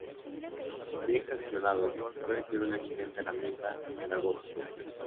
Bien gestionados, pueden ser una excelente herramienta pedagógica.